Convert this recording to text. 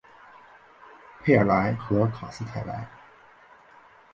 佩尔莱和卡斯泰莱。